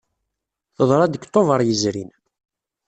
Teḍra-d deg Tubeṛ yezrin.